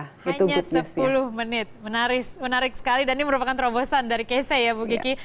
hanya sepuluh menit menarik sekali dan ini merupakan terobosan dari kc ya bu kiki